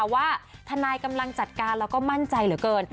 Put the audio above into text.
ว่าทนายกำลังจัดการแล้วก็มั่นใจเหลือเกิน